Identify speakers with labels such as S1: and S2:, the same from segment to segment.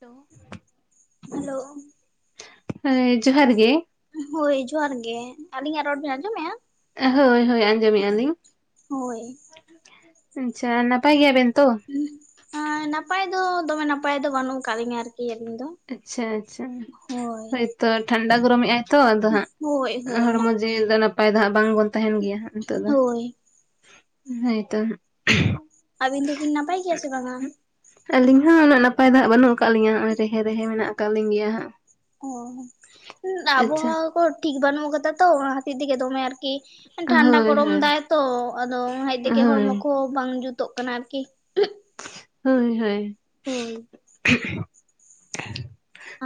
S1: Hello
S2: hello
S1: ᱦᱮᱸ ᱡᱚᱦᱟᱨ ᱜᱮ
S2: ᱦᱳᱭ ᱡᱚᱦᱟᱨ ᱜᱮ ᱟᱹᱞᱤᱧᱟᱜ ᱨᱚᱲ ᱵᱮᱱ ᱟᱸᱡᱚᱢᱮᱜ-ᱟ
S1: ᱦᱳᱭ ᱦᱳᱭ ᱟᱸᱡᱚᱢᱮᱫᱼᱟ ᱞᱤᱧ
S2: ᱦᱳᱭ
S1: ᱟᱪᱪᱷᱟ ᱱᱟᱯᱟᱭ ᱜᱮᱭᱟᱵᱮᱱ ᱛᱚ
S2: ᱱᱟᱯᱟᱭ ᱫᱚ ᱫᱚᱢᱮ ᱱᱟᱯᱟᱭ ᱫᱚ ᱵᱟᱹᱱᱩᱜ ᱟᱠᱟᱫ ᱞᱤᱧᱟ ᱟᱨᱠᱤ ᱟᱹᱞᱤᱧ ᱫᱚ
S1: ᱟᱪᱪᱷᱟ ᱟᱪᱪᱷᱟ
S2: ᱦᱳᱭ
S1: ᱦᱳᱭᱛᱚ ᱴᱷᱟᱱᱰᱟ ᱜᱚᱨᱚᱢᱮᱜ ᱟᱭ ᱛᱚ ᱟᱫᱚ ᱦᱟᱸᱜ
S2: ᱦᱳᱭ ᱦᱳᱭ
S1: ᱦᱚᱲᱢᱚ
S2: ᱚᱱᱟᱜᱮ
S1: ᱡᱤᱣᱤ ᱫᱚ ᱱᱟᱯᱟᱭ ᱱᱟᱯᱟᱭ ᱫᱚ ᱦᱟᱸᱜ ᱵᱟᱝᱵᱚᱱ ᱛᱟᱦᱮᱸᱱ ᱜᱮᱭᱟ ᱱᱤᱛᱚᱜ ᱫᱚ
S2: ᱦᱳᱭ
S1: ᱦᱳᱭᱛᱚ
S2: ᱟᱹᱵᱤᱱ ᱫᱚᱵᱤᱱ ᱱᱟᱯᱟᱭ ᱜᱮᱭᱟ ᱥᱮ ᱵᱟᱝᱟ?
S1: ᱟᱹᱞᱤᱧ ᱦᱚᱸ ᱩᱱᱟᱹᱜ ᱱᱟᱯᱟᱭ ᱫᱚ ᱦᱟᱸᱜ ᱵᱟᱹᱱᱩᱜ ᱟᱠᱟᱫ ᱞᱤᱧᱟᱹ ᱱᱚᱜ ᱚᱭ ᱨᱮᱦᱮ ᱨᱮᱦᱮ ᱢᱮᱱᱟᱜ ᱟᱠᱟᱫ ᱞᱤᱧ ᱜᱮᱭᱟ ᱦᱟᱸᱜ
S2: ᱚ
S1: ᱟᱪᱪᱷᱟ
S2: ᱟᱵᱚᱦᱟᱣᱟ ᱠᱚ ᱴᱷᱤᱠ ᱵᱟᱹᱱᱩᱜ ᱠᱟᱫᱟ ᱛᱚ ᱚᱱᱟ ᱠᱷᱟᱹᱛᱤᱨ ᱛᱮᱜᱮ ᱫᱚᱢᱮ ᱟᱨᱠᱤ ᱠᱤ ᱴᱷᱟᱱᱰᱟ
S1: ᱦᱳᱭ
S2: ᱜᱚᱨᱚᱢ
S1: ᱦᱳᱭ
S2: ᱫᱟᱭ ᱛᱚ ᱟᱫᱚ ᱦᱟᱡ ᱫᱮᱜᱮ
S1: ᱦᱳᱭ
S2: ᱦᱚᱲᱢᱚ ᱠᱚ ᱵᱟᱝ ᱡᱩᱛᱚᱜ ᱠᱟᱱᱟ ᱟᱨᱠᱤ
S1: ᱦᱳᱭ ᱦᱳᱭ
S2: ᱦᱳᱭ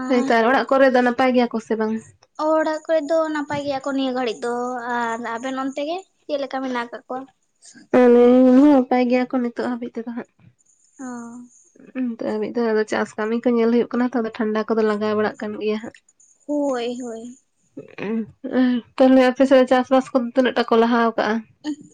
S1: ᱦᱳᱭᱛᱚ ᱟᱨ ᱚᱲᱟᱜ ᱠᱚᱨᱮ ᱫᱚ ᱱᱟᱯᱟᱭ ᱜᱮᱭᱟ ᱠᱚ ᱥᱮᱮ ᱵᱟᱝ
S2: ᱚᱲᱟᱜ ᱠᱚᱨᱮ ᱫᱚ ᱱᱟᱯᱟᱭ ᱜᱮᱭᱟ ᱠᱚ ᱱᱤᱭᱟᱹ ᱜᱷᱟᱹᱲᱤᱡ ᱫᱚ ᱟᱨ ᱟᱵᱮᱱ ᱚᱱᱛᱮ ᱜᱮ ᱪᱮᱫ ᱞᱮᱠᱟ ᱢᱮᱱᱟᱜ ᱠᱟᱜ ᱠᱚᱣᱟ?
S1: [unintelligible] ᱱᱟᱯᱟᱭ ᱜᱮᱭᱟ ᱠᱚ ᱱᱤᱛᱚᱜ ᱦᱟᱹᱵᱤᱡ ᱛᱮᱫᱚ ᱦᱟᱸᱜ
S2: ᱚᱻ
S1: ᱦᱸ ᱢᱤᱫ ᱫᱷᱟᱣ ᱟᱫᱚ ᱪᱟᱥ ᱠᱟᱹᱢᱤ ᱠᱚ ᱧᱮᱞ ᱦᱩᱭᱩᱜ ᱠᱟᱱᱟ ᱛᱚ ᱟᱫᱚ ᱴᱷᱟᱱᱰᱟ ᱠᱚᱫᱚ ᱞᱟᱜᱟᱣ ᱵᱟᱲᱟᱜ ᱠᱟᱱ ᱜᱮᱭᱟ ᱦᱟᱸᱜ
S2: ᱦᱳᱭ ᱦᱳᱭ
S1: ᱛᱟᱦᱞᱮ ᱟᱯᱮᱥᱮᱫ ᱪᱟᱥᱵᱟᱥ ᱠᱚᱫᱚ ᱛᱤᱱᱟᱹᱜ ᱴᱟ ᱠᱚ ᱞᱟᱦᱟ ᱟᱠᱟᱟᱜᱼᱟ?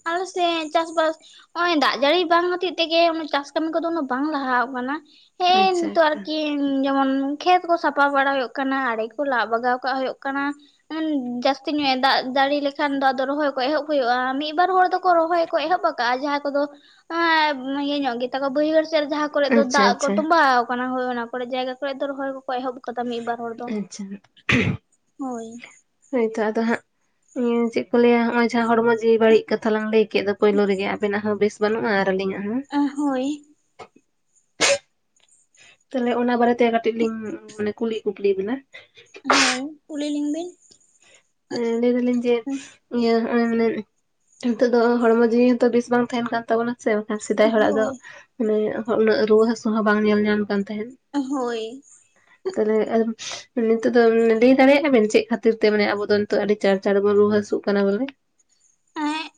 S2: ᱟᱞᱮ ᱥᱮ ᱪᱟᱥᱵᱟᱥ ᱱᱚᱜᱼᱚᱭ ᱫᱟᱜ ᱡᱟᱹᱲᱤ ᱵᱟᱝ ᱦᱚᱛᱮᱜ ᱛᱮᱜᱮ ᱪᱟᱥ ᱠᱟᱹᱢᱤ ᱠᱚᱫᱚ ᱩᱱᱟᱹᱜ ᱵᱟᱝ ᱞᱟᱦᱟᱣ ᱠᱟᱱᱟ᱾ ᱦᱮᱸ
S1: ᱟᱪᱪᱷᱟ
S2: ᱱᱤᱛᱚ
S1: ᱟᱪᱪᱷᱟ
S2: ᱟᱨᱠᱤ ᱡᱮᱢᱚᱱ ᱠᱷᱮᱛ ᱠᱚ ᱥᱟᱯᱟ ᱵᱟᱲᱟ ᱦᱩᱭᱩᱜ ᱠᱟᱱᱟ ᱟᱲᱮ ᱠᱚ ᱞᱟ ᱵᱟᱜᱟᱣ ᱠᱟᱜ ᱦᱩᱭᱩᱜ ᱠᱟᱱᱟ᱾ ᱡᱟᱹᱥᱛᱤ ᱧᱚᱜ ᱫᱟᱜ ᱡᱟᱹᱲᱤ ᱞᱮᱠᱷᱟᱱ ᱫᱚ ᱟᱫᱚ ᱨᱚᱦᱚᱭ ᱠᱚ ᱮᱦᱚᱵ ᱦᱩᱭᱩᱜᱼᱟ᱾ ᱢᱤᱫ ᱵᱟᱨ ᱦᱚᱲ ᱫᱚᱠᱚ ᱨᱚᱦᱚᱭ ᱠᱚ ᱮᱦᱚᱵ ᱟᱠᱟᱜᱼᱟ ᱡᱟᱦᱟᱸ ᱠᱚᱫᱚ ᱮ ᱤᱭᱟᱹ ᱧᱚᱜ ᱜᱮ ᱛᱟᱠᱚᱣᱟ ᱵᱟᱹᱭᱦᱟᱹᱲ ᱥᱮᱫ ᱠᱚᱨᱮ ᱫᱚ
S1: ᱟᱪᱪᱷᱟ
S2: ᱫᱟᱜ ᱠᱚ
S1: ᱟᱪᱪᱷᱟ
S2: ᱛᱚᱸᱵᱟᱣ ᱟᱠᱟᱱᱟ ᱦᱚᱭ ᱚᱱᱟ ᱠᱚᱨᱮ ᱡᱟᱭᱜᱟ ᱠᱚᱨᱮ ᱫᱚ ᱨᱚᱦᱚᱭ ᱠᱚ ᱮᱦᱚᱵ ᱟᱠᱟᱫᱟ ᱢᱤᱫ ᱵᱟᱨ ᱦᱚᱲ ᱫᱚ᱾
S1: ᱟᱪᱪᱷᱟ
S2: ᱦᱚᱭ
S1: ᱦᱚᱭᱛᱚ ᱟᱫᱚ ᱦᱟᱸᱜ ᱤᱭᱟᱹ ᱪᱮᱫ ᱠᱚ ᱞᱟᱹᱭᱟ ᱱᱚᱜ-ᱚᱭ ᱡᱟᱦᱟᱸ ᱦᱚᱲᱢᱚ ᱡᱤᱣᱤ ᱵᱟᱹᱲᱤᱡ ᱠᱟᱛᱷᱟ ᱞᱟᱝ ᱞᱟᱹᱭ ᱠᱮᱫ ᱫᱚ ᱯᱩᱭᱞᱩ ᱨᱮᱜᱮ ᱟᱵᱮᱱᱟᱜ ᱦᱚᱸ ᱵᱮᱥ ᱵᱟᱹᱱᱩᱜᱼᱟ ᱟᱨ ᱟᱹᱞᱤᱧᱟᱜ ᱦᱚᱸ᱾
S2: ᱟ ᱦᱚᱭ᱾
S1: ᱛᱟᱦᱞᱮ ᱚᱱᱟ ᱵᱟᱨᱮ ᱛᱮ ᱠᱟᱹᱴᱤᱡ ᱞᱤᱧ ᱢᱟᱱᱮ ᱠᱩᱞᱤ ᱠᱩᱯᱞᱤ ᱵᱤᱱᱟ᱾
S2: ᱦᱚᱭ ᱠᱩᱞᱤ ᱞᱤᱧ ᱵᱤᱱ᱾
S1: ᱦᱮᱸ ᱞᱟᱹᱭ ᱫᱟᱞᱤᱧ ᱡᱮ ᱤᱭᱟᱹ ᱱᱚᱜᱚᱭ ᱢᱟᱱᱮ ᱱᱤᱛᱚᱜ ᱫᱚ ᱦᱚᱲᱢᱚ ᱡᱤᱣᱤ ᱦᱚᱸ ᱛᱚ ᱵᱮᱥ ᱵᱟᱝ ᱛᱟᱦᱮᱱ ᱠᱟᱱ ᱛᱟᱵᱚᱱᱟ᱾ ᱥᱮ ᱵᱟᱝᱠᱷᱟᱱ ᱥᱮᱫᱟᱭ ᱦᱚᱲᱟᱜ ᱫᱚ
S2: ᱦᱳᱭ
S1: ᱢᱟᱱᱮ ᱩᱱᱟᱹᱜ ᱨᱩᱣᱟᱹ ᱦᱟ. ᱥᱩ ᱦᱚᱸ ᱵᱟᱝ ᱧᱮᱞ ᱧᱟᱢ ᱠᱟᱱ ᱛᱟᱦᱮᱸᱫ᱾
S2: ᱦᱚᱭ᱾
S1: ᱛᱟᱦᱞᱮ ᱱᱤᱛᱚᱜ ᱫᱚ ᱞᱟᱹᱭ ᱫᱟᱲᱮᱭᱟᱜᱼᱟ ᱵᱤᱱ ᱪᱮᱫ ᱠᱷ ᱠᱷᱟᱹᱛᱤᱨ ᱛᱮ ᱢᱟᱱᱮ ᱟᱵᱚ ᱫᱚ ᱱᱤᱛᱚᱜ ᱟᱹᱰᱤ ᱪᱟᱬ-ᱪᱟᱬ ᱵᱚ ᱨᱩᱟᱹ ᱦᱟᱹᱥᱩᱜ ᱠᱟᱱᱟ ᱵᱚᱞᱮ
S2: ᱮᱸᱜ